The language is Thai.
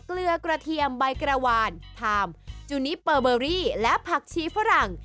เกลือกระเทียมใบกระวานทามจูนิเปอร์เบอรี่และผักชีฝรั่ง